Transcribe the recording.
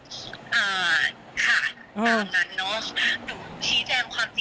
ที่โพสต์ก็คือเพื่อต้องการจะเตือนเพื่อนผู้หญิงในเฟซบุ๊คเท่านั้นค่ะ